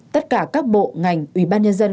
tất cả các bộ ngành ủy ban nhân dân